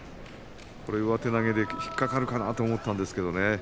これ上手投げで引っ掛かるかなと思ったんですけどね。